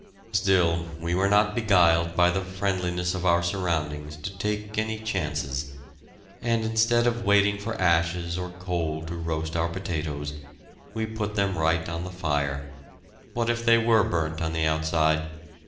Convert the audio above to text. Still, we were not beguiled by the friendliness of our surroundings to take any chances, and, instead of waiting for ashes or coal to roast our potatoes, we put them right on the fire. What if they were burnt on the outside?